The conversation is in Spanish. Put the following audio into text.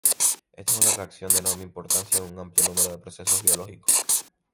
Esta es una reacción de enorme importancia en un amplio número de procesos biológicos.